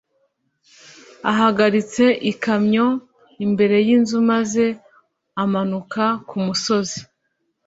ahagaritse ikamyo imbere yinzu maze amanuka kumusozi